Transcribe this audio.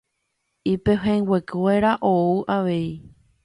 Ipehẽnguekuéra ou avei